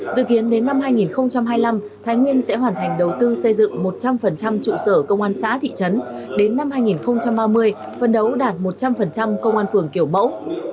dự kiến đến năm hai nghìn hai mươi năm thái nguyên sẽ hoàn thành đầu tư xây dựng một trăm linh trụ sở công an xã thị trấn đến năm hai nghìn ba mươi phân đấu đạt một trăm linh công an phường kiểu mẫu